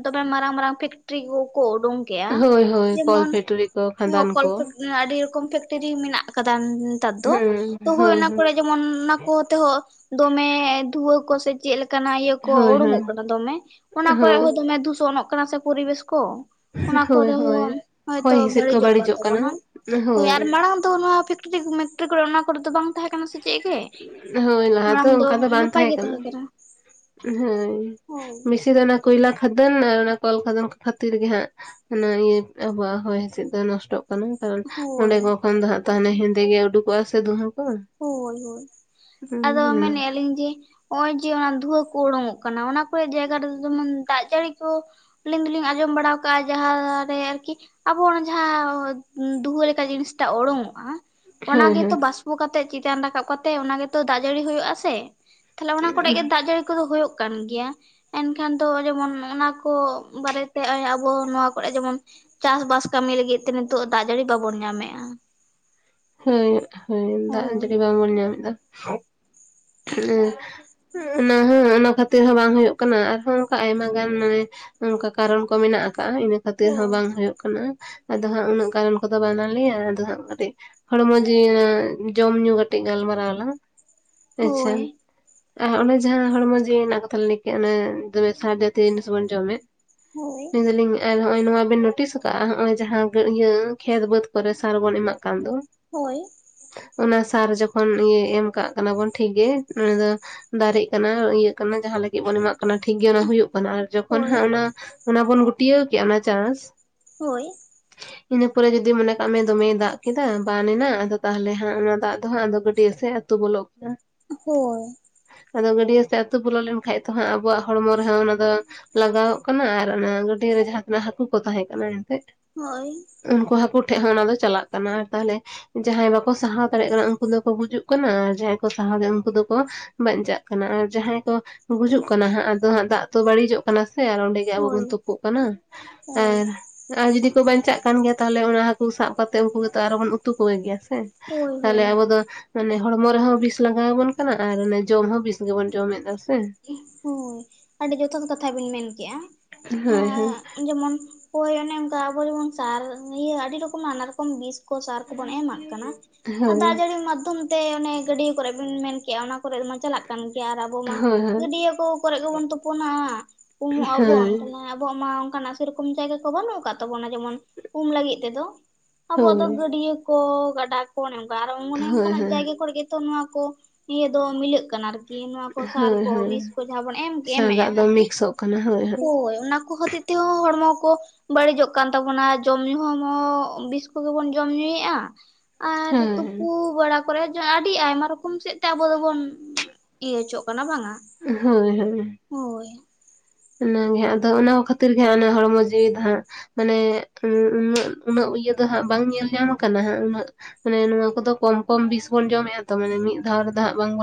S2: ᱫᱚᱢᱮ ᱢᱟᱨᱟᱝ ᱢᱟᱨᱟᱝ ᱯᱷᱮᱠᱴᱨᱤ ᱠᱚᱠᱚ ᱩᱰᱩᱝ ᱠᱮᱜᱼᱟ
S1: ᱦᱳᱭ ᱦᱳᱭ ᱠᱚᱞ
S2: ᱡᱮᱢᱚᱱ
S1: ᱯᱷᱮᱠᱴᱨᱤ ᱠᱚ ᱠᱷᱟᱫᱟᱱ
S2: ᱠᱚᱞ
S1: ᱠᱚ
S2: ᱟᱹᱰᱤ ᱨᱚᱠᱚᱢ ᱯᱷᱮᱠᱴᱨᱤ ᱢᱮᱱᱟᱜ ᱟᱠᱟᱫᱟ ᱱᱮᱛᱟᱨ ᱫᱚ ᱛᱚ ᱦᱳᱭ ᱚᱱᱟ ᱠᱚᱨᱮ ᱡᱮᱢᱚᱱ ᱚᱱᱟ ᱠᱚᱛᱮᱦᱚᱸ ᱫᱚᱢᱮ ᱫᱷᱩᱣᱟᱹ ᱠᱚᱥᱮ ᱪᱮᱫ ᱞᱮᱠᱟ ᱠᱟᱱᱟ ᱤᱭᱟᱹ ᱠᱚ
S1: ᱦᱳᱭ
S2: ᱩᱰᱩᱠᱚᱜ
S1: ᱦᱳᱭ
S2: ᱠᱟᱱᱟ ᱫᱚᱢᱮ ᱚᱱᱟ ᱠᱚᱨᱮ
S1: ᱦᱳᱭ
S2: ᱦᱚᱸ ᱫᱚᱢᱮ ᱫᱩᱥᱚᱱᱚᱜ ᱠᱟᱱᱟ ᱥᱮ ᱯᱚᱨᱤᱵᱮᱥ ᱠᱚ ᱚᱱᱟ ᱠᱚᱫᱚ
S1: ᱦᱳᱭ ᱦᱳᱭ ᱦᱚᱭ
S2: ᱦᱳᱭᱛᱳ
S1: ᱦᱤᱸᱥᱤᱫ ᱠᱚ
S2: ᱵᱟᱹᱲᱤᱡᱚᱜ ᱠᱟᱱ
S1: ᱠᱟᱱᱟ
S2: ᱛᱟᱵᱚᱱᱟ ᱦᱳᱭ ᱟᱨ ᱢᱟᱲᱟᱝ ᱫᱚ ᱱᱚᱣᱟ ᱴᱨᱤᱠ ᱢᱮᱴᱨᱤᱠ ᱠᱚ ᱚᱱᱟ ᱠᱚᱨᱮ ᱫᱚ ᱵᱟᱝ ᱛᱟᱦᱮᱸ ᱠᱟᱱᱟ ᱥᱮ ᱪᱮᱫ ᱜᱮ ᱢᱟᱲᱟᱝ ᱫᱚ ᱱᱟᱯᱟᱭ ᱜᱮ ᱛᱟᱦᱮᱸ ᱠᱟᱱᱟ
S1: ᱦᱳᱭ
S2: ᱦᱳᱭ
S1: ᱵᱤᱥᱤ ᱫᱚ ᱚᱱᱟ ᱠᱚᱭᱞᱟ ᱠᱷᱟᱫᱟᱱ ᱟᱨ ᱚᱱᱟ ᱠᱚᱞ ᱠᱷᱟᱫᱟᱱ ᱠᱚ ᱠᱷᱟᱹᱛᱤᱨ ᱜᱮ ᱦᱟᱸᱜ [unintelligible] ᱤᱭᱟᱹ ᱟᱵᱚᱣᱟᱜ ᱦᱚᱭ ᱦᱤᱥᱤᱫ ᱫᱚ ᱱᱚᱥᱴᱚᱜ ᱠᱟᱱᱟ ᱠᱟᱨᱚᱱ ᱚᱸᱰᱮ
S2: ᱦᱳᱭ
S1: ᱠᱚ ᱠᱷᱚᱱ ᱫᱚ ᱦᱟᱸᱜ ᱛᱟᱦᱚᱞᱮ ᱦᱮᱸᱫᱮ ᱜᱮ ᱩᱰᱩᱠᱚᱜᱼᱟ ᱥᱮ ᱫᱩᱸᱦᱟᱹ
S2: ᱦᱳᱭ ᱦᱳᱭ ᱟᱫᱚ ᱢᱮᱱᱮᱫᱼᱟ ᱞᱤᱧ ᱡᱮ ᱱᱚᱜ ᱚᱚᱭ ᱡᱮ ᱚᱱᱟ ᱫᱷᱩᱣᱟᱹ ᱠᱚ ᱩᱰᱩᱠᱚᱜ ᱠᱟᱱᱟ ᱚᱱᱟ ᱠᱚᱨᱮ ᱡᱟᱭᱜᱟ ᱨᱮᱫᱚ ᱡᱮᱢᱚᱱ ᱫᱟᱜ ᱡᱟᱹᱲᱤ ᱠᱚ ᱟᱹᱞᱤᱧ ᱫᱚᱞᱤᱧ ᱟᱸᱡᱚᱢ ᱵᱟᱲᱟᱣ ᱠᱟᱜᱼᱟ ᱡᱟᱦᱟᱸ ᱨᱮ ᱟᱨᱠᱤ ᱟᱵᱚ ᱚᱱᱟ ᱡᱟᱦᱟᱸ ᱫᱩᱦᱟᱹ ᱞᱮᱠᱟ ᱡᱤᱱᱤᱥᱴᱟᱜ ᱳᱰᱳᱝᱚᱜᱼᱟ ᱚᱱᱟ
S1: ᱦᱳᱭ
S2: ᱜᱮᱛᱚ
S1: ᱦᱳᱭ
S2: ᱵᱟᱥᱯᱚ ᱠᱟᱛᱮ [unintelligible] ᱪᱮᱛᱟᱱ ᱨᱟᱠᱟᱵ ᱠᱟᱛᱮ ᱚᱱᱟᱜᱮᱛᱚ ᱫᱟᱜ ᱡᱟᱹᱲᱤ ᱦᱩᱭᱩᱜᱼᱟ ᱥᱮ ᱛᱟᱦᱚᱞᱮ ᱚᱱᱟ ᱠᱚᱨᱮ ᱜᱮ ᱫᱟᱜ ᱡᱟᱹᱲᱤ ᱠᱚᱫᱚ ᱦᱩᱭᱩᱜ ᱠᱟᱱ ᱜᱮᱭᱟ ᱮᱱᱠᱷᱟᱱ ᱫᱚ ᱡᱮᱢᱚᱱ ᱚᱱᱟ ᱠᱚ ᱵᱟᱨᱮᱛᱮ ᱟᱵᱚ ᱱᱚᱣᱟ ᱠᱚᱨᱮ ᱡᱮᱢᱚᱱ ᱪᱟᱥ ᱵᱟᱥ ᱠᱟᱹᱢᱤ ᱞᱟᱹᱜᱤᱫ ᱛᱮ ᱱᱤᱛᱚᱜ ᱫᱟᱜ ᱡᱟᱹᱲᱤ ᱵᱟᱵᱚᱱ ᱧᱟᱢᱮᱼᱟ
S1: [unintelligible] ᱫᱟᱜ
S2: ᱦᱳᱭ
S1: ᱡᱟᱲᱤ ᱵᱟᱝᱵᱚᱱ ᱧᱟᱢ ᱮᱫᱟ ᱚᱱᱟ ᱦᱚᱸ ᱚᱱᱟ ᱠᱷᱟᱹᱛᱤᱨ ᱦᱚᱸ ᱵᱟᱝ ᱦᱩᱭᱩᱜ ᱠᱟᱱᱟ ᱟᱨᱦᱚᱸ ᱚᱱᱠᱟ ᱟᱭᱢᱟ ᱜᱟᱱ ᱢᱟᱱᱮ ᱱᱚᱝᱠᱟ ᱠᱟᱨᱚᱱ ᱠᱚ ᱢᱮᱱᱟᱜ ᱠᱟᱫᱟ ᱤᱱᱟᱹ ᱠᱷᱟᱹᱛᱤᱨ ᱦᱚᱸ
S2: ᱦᱳᱭ
S1: ᱵᱟᱝ ᱦᱩᱭᱩᱜ ᱠᱟᱱᱟ ᱟᱫᱚ ᱦᱟᱸᱜ ᱩᱱᱟᱹᱜ ᱠᱟᱨᱚᱱ ᱠᱚᱫᱚ ᱵᱟᱱᱟᱞᱮᱭᱟ ᱟᱫᱚ ᱦᱟᱸᱜ ᱠᱟᱹᱴᱤᱡ ᱦᱚᱲᱢᱚ ᱡᱤᱭᱣ ᱡᱚᱢ ᱧᱩ ᱠᱟᱴᱤᱡ ᱜᱟᱞᱢᱟᱨᱟᱣ ᱟᱞᱟᱝ ᱟᱪᱪᱷᱟ
S2: ᱦᱳᱭ
S1: ᱟᱨ ᱚᱱᱮ ᱡᱟᱦᱟᱸ ᱦᱚᱲᱢᱚ ᱡᱤᱣᱤ ᱨᱮᱱᱟᱜ ᱠᱟᱛᱷᱟ ᱞᱤᱧ ᱞᱮᱭ ᱠᱮᱫ ᱚᱱᱮ ᱫᱚᱢᱮ ᱥᱟᱨ ᱡᱟᱛᱤᱭᱚ ᱡᱤᱱᱤᱥ ᱵᱚᱱ ᱡᱚᱢᱮᱫ
S2: [unintelligible]
S1: ᱢᱮᱱᱫᱟᱞᱤᱧ ᱟᱨ ᱱᱚᱜᱼᱚᱭ ᱱᱚᱣᱟ ᱵᱤᱱ ᱵᱚᱴᱤᱥ ᱟᱠᱟᱜᱼᱟ ᱱᱚᱜᱚᱭ ᱡᱟᱦᱟᱸ ᱤᱭᱟᱹ ᱠᱷᱮᱛ ᱵᱟᱹᱫᱽ ᱠᱚᱨᱮ ᱥᱟᱨ ᱵᱚᱱ ᱮᱢᱟᱜ ᱠᱟᱱ ᱫᱚ
S2: ᱦᱳᱭ
S1: ᱚᱱᱟ ᱥᱟᱨ ᱡᱚᱠᱷᱚᱱ ᱤᱭᱟᱹ ᱮᱢ ᱠᱟᱜ ᱠᱟᱱᱟ ᱵᱚᱱ ᱴᱷᱤᱠᱜᱮ ᱚᱱᱟ ᱫᱚ ᱫᱟᱨᱮᱜ ᱠᱟᱱᱟ ᱤᱭᱟᱹᱜ ᱠᱟᱱᱟ ᱡᱟᱦᱟᱸ ᱞᱟᱹᱜᱤᱫ ᱵᱚᱱ ᱮᱢᱟᱜ ᱠᱟᱱᱟ ᱴᱷᱤᱠᱜᱮ ᱚᱱᱟ ᱦᱩᱭᱩᱜ ᱠᱟᱱᱟ ᱡᱚᱠᱷᱚᱱ
S2: ᱦᱳᱭ
S1: ᱦᱟᱸᱜ ᱚᱱᱟ ᱚᱱᱟ ᱵᱚᱱ ᱜᱩᱴᱭᱟᱹᱣ ᱠᱮᱫ ᱚᱱᱟ ᱪᱟᱥ
S2: ᱦᱳᱭ
S1: ᱤᱱᱟᱹ ᱯᱚᱨᱮ ᱡᱩᱫᱤ ᱢᱚᱱᱮ ᱠᱟᱜ ᱢᱮ ᱫᱚᱢᱮᱭ ᱫᱟᱜ ᱠᱮᱫᱟᱭ ᱵᱟᱱ ᱮᱱᱟ ᱟᱫᱚ ᱛᱟᱦᱚᱞᱮ ᱦᱟᱜ ᱚᱱᱟ ᱫᱟᱜ ᱫᱚ ᱦᱟᱸᱜ ᱟᱫᱚ ᱜᱟᱹᱰᱤᱹᱭᱟ ᱥᱮᱡ ᱟᱹᱛᱩ ᱵᱚᱞᱚᱜ [unintelligible]
S2: ᱦᱳᱭ
S1: ᱟᱫᱚ ᱜᱟᱹᱰᱤᱭᱟᱹ ᱥᱮᱜ ᱟᱹᱛᱩ ᱵᱚᱞᱚ ᱞᱮᱱᱠᱷᱟᱡ ᱫᱚᱦᱟᱸᱜ ᱟᱵᱚᱣᱟᱜ ᱦᱚᱲᱢᱚ ᱨᱮᱦᱚᱸ ᱚᱱᱟ ᱫᱚ ᱞᱟᱜᱟᱣᱚᱜ ᱠᱟᱱᱟ ᱟᱨ ᱚᱱᱟ ᱜᱟᱹᱰᱤᱭᱟᱹ ᱡᱟᱦᱟᱸᱛᱤᱱᱟᱹᱜ ᱦᱟᱹᱠᱩ ᱠᱚ ᱛᱟᱦᱮᱸ ᱠᱟᱱᱟ ᱮᱱᱛᱮ
S2: ᱦᱳᱭ
S1: ᱩᱱᱠᱩ ᱦᱟᱹᱠᱩ ᱴᱷᱮᱡ ᱦᱚᱸ ᱚᱱᱟ ᱫᱚ ᱪᱟᱞᱟᱜ ᱠᱟᱱᱟ ᱟᱨ ᱛᱟᱦᱚᱞᱮ ᱡᱟᱦᱟᱸᱭ ᱵᱟᱠᱚ ᱥᱟᱦᱟᱣ ᱫᱟᱲᱮᱭᱟᱜ ᱠᱟᱱᱟ ᱩᱱᱠᱩ ᱫᱚᱠᱚ ᱜᱩᱡᱩᱜ ᱠᱟᱱᱟ ᱟᱨ ᱡᱟᱦᱟᱸᱭ ᱠᱚ ᱥᱟᱦᱟᱣ ᱫᱟᱲᱮ ᱩᱱᱠᱩ ᱫᱚᱠᱚ ᱵᱟᱧᱪᱟᱜ ᱠᱟᱱᱟ ᱟᱨ ᱡᱟᱦᱟᱸᱭ ᱠᱚ ᱜᱩᱡᱩᱜ ᱠᱟᱱᱟ ᱦᱟᱸᱜ ᱟᱫᱚ ᱦᱟᱸᱜ ᱫᱟᱜ ᱛᱚ ᱵᱟᱹᱲᱤᱡᱚᱜ ᱠᱟᱱᱟ ᱥᱮ ᱟᱨ ᱚᱸᱰᱮ ᱡᱮ ᱟᱵᱚ ᱵᱚᱱ
S2: ᱦᱳᱭ
S1: ᱛᱩᱯᱩᱜ ᱠᱟᱱᱟ
S2: ᱦᱳᱭ ᱦᱳᱭ
S1: [unintelligible] ᱟᱨ ᱡᱩᱫᱤ ᱠᱚ ᱵᱟᱧᱪᱟᱜ ᱠᱟᱱ ᱜᱮᱭᱟ ᱛᱟᱦᱞᱮ ᱚᱱᱟ ᱦᱟᱠᱩ ᱥᱟᱵ ᱠᱟᱛᱮᱜ ᱩᱱᱠᱩ ᱜᱮᱛᱚ ᱟᱨᱚ ᱵᱚᱱ ᱩᱛᱩ ᱠᱚ ᱜᱮᱭᱟ ᱥᱮ ᱛᱟᱦᱚᱞᱮ
S2: ᱦᱳᱭ
S1: ᱟᱵᱚ ᱫᱚ ᱢᱟᱱᱮ ᱦᱚᱲᱢᱚ ᱨᱮᱦᱚᱸ ᱵᱤᱥ ᱞᱟᱜᱟᱣ ᱟᱵᱚᱱ ᱠᱟᱱᱟ ᱟᱨ ᱚᱱᱮ ᱡᱚᱢ ᱦᱚᱸ ᱵᱤᱥ ᱜᱮᱵᱚᱱ ᱡᱚᱢᱮᱫᱟ ᱥᱮ
S2: ᱦᱳᱭ ᱟᱹᱰᱤ ᱡᱚᱛᱷᱟᱛ ᱠᱟᱛᱷᱟ ᱵᱮᱱ ᱢᱮᱱ
S1: ᱦᱳᱭ ᱦᱳᱭ
S2: ᱠᱮᱫᱮᱜᱼᱟ ᱡᱮᱢᱚᱱ ᱳᱭ ᱚᱱᱮ ᱚᱱᱠᱟ ᱟᱵᱚ ᱡᱮᱢᱚᱱ ᱥᱟᱨ ᱤᱭᱟᱹ ᱟᱹᱰᱤ ᱨᱚᱠᱚᱢ ᱱᱟᱱᱟ ᱨᱚᱠᱚᱢ ᱵᱤᱥ ᱠᱚ ᱥᱟᱨ ᱠᱚᱵᱚᱱ ᱮᱢᱟᱜ ᱠᱟᱱᱟ ᱟᱨ
S1: ᱦᱳᱭ
S2: ᱫᱟᱜ ᱡᱟᱹᱲᱤ ᱢᱟᱫᱽᱫᱷᱚᱢ ᱛᱮ ᱚᱱᱮ ᱜᱟᱹᱰᱤᱭᱟᱹ ᱠᱚᱨᱮ ᱵᱤᱱ ᱢᱮᱱ ᱠᱮᱫᱼᱟ ᱚᱱᱟ ᱠᱚᱨᱮ ᱢᱟ ᱪᱟᱞᱟᱜ ᱠᱟᱱ ᱜᱮᱭᱟ ᱟᱨ [unintelligible]
S1: ᱦᱳᱭ ᱦᱳᱭ
S2: ᱤᱭᱟᱹ ᱠᱚ ᱠᱚᱨᱮ ᱜᱮᱵᱚᱱ ᱛᱩᱯᱩᱱᱟ ᱩᱢᱚᱜ ᱟᱵᱚᱱ
S1: ᱦᱳᱭ
S2: ᱦᱮᱸ ᱟᱵᱚᱣᱟᱜ ᱢᱟ ᱚᱱᱠᱟᱱᱟᱜ [unintelligible] ᱥᱮᱨᱚᱠᱚᱢ ᱡᱟᱭᱜᱟ ᱠᱚ ᱵᱟᱹᱱᱩᱜ ᱟᱠᱟᱫ ᱛᱟᱵᱚᱱᱟ ᱡᱮᱢᱚᱱ ᱩᱢ ᱞᱟᱹᱜᱤᱫ ᱛᱮᱫᱚ ᱟᱵᱚᱣᱟᱜ
S1: ᱦᱳᱭ
S2: ᱫᱚ
S1: ᱦᱳᱭ
S2: ᱜᱟᱹᱰᱭᱟᱹ ᱠᱚ ᱜᱟᱰᱟ ᱠᱚ ᱚᱱᱮ ᱚᱱᱠᱟ ᱟᱨᱚ ᱚᱱᱮ
S1: ᱦᱳᱭ
S2: ᱚᱱᱠᱟᱱᱟᱜ
S1: ᱦᱳᱭ
S2: ᱡᱟᱭᱜᱟ ᱠᱚᱨᱮ ᱜᱮ ᱛᱚ ᱱᱚᱣᱟ ᱠᱚ ᱤᱭᱟᱹ ᱫᱚ ᱢᱤᱞᱟᱹᱜ ᱠᱟᱱᱟ ᱟᱨᱠᱤ ᱱᱚᱣᱟ ᱠᱚ ᱥᱟᱨ
S1: ᱦᱳᱭ
S2: ᱠᱚ
S1: ᱦᱳᱭ
S2: ᱵᱤᱥ ᱠᱚ ᱡᱟᱦᱟᱸ ᱵᱚᱱ ᱮᱢ
S1: ᱥᱮᱬᱟ
S2: ᱮᱢᱠᱮᱜᱼᱟ
S1: ᱫᱟᱜ ᱫᱚ
S2: ᱟᱨᱠᱤ
S1: ᱢᱤᱠᱥᱚᱜ ᱠᱟᱱᱟ
S2: ᱦᱳᱭ ᱚᱱᱟ ᱠᱚ ᱦᱚᱛ ᱛᱮ ᱛᱮ ᱦᱚᱸ ᱦᱚᱲᱢᱚ ᱠᱚ ᱵᱟᱹᱲᱤᱡᱚᱜ ᱠᱟᱱ ᱛᱟᱵᱚᱱᱟ ᱡᱚᱢᱼ ᱧᱩ ᱦᱚᱸ ᱵᱤᱥ ᱠᱚᱜᱮ ᱵᱚᱱ ᱡᱚᱢ ᱧᱩᱭᱮᱫᱼᱟ ᱟᱨ ᱛᱩᱯᱩ ᱵᱟᱲᱟ ᱠᱚᱨᱮ ᱟᱹᱰᱤ ᱟᱭᱢᱟ ᱨᱚᱠᱚᱢ ᱥᱮᱫ ᱛᱮ ᱟᱵᱚ ᱫᱚᱵᱚᱱ ᱤᱭᱟᱹᱪᱚᱜ ᱠᱟᱱᱟ ᱵᱟᱝᱟ
S1: ᱦᱳᱭ ᱦᱳᱭ
S2: ᱦᱳᱭ
S1: ᱚᱱᱟᱜᱮ ᱦᱟᱜ ᱟᱫᱚ ᱚᱱᱟ ᱠᱷᱟᱹᱛᱤᱨ ᱜᱮ ᱦᱟᱸᱜ ᱦᱚᱲᱢᱚ ᱡᱤᱣᱤ ᱫᱚ ᱦᱟᱸᱜ ᱢᱟᱱᱮ ᱩᱱᱟᱹᱜ ᱩᱱᱟᱹᱜ ᱤᱭᱟᱹ ᱫᱚ ᱦᱟᱸᱜ ᱵᱟᱝ ᱧᱮᱞ ᱧᱟᱢ ᱠᱟᱱᱟ ᱦᱟᱸᱜ ᱩᱱᱟᱹᱜ ᱢᱟᱱᱮ ᱱᱚᱣᱟ ᱠᱚᱫᱚ ᱠᱚᱢ ᱠᱚᱢ ᱵᱤᱥ ᱵᱚᱱ ᱡᱚᱢᱮᱫᱼᱟ ᱛᱚ ᱢᱟᱱᱮ ᱢᱤᱫ ᱫᱷᱟᱣ ᱨᱮᱫᱚ ᱦᱟᱸᱜ ᱵᱟᱝᱵᱚᱱ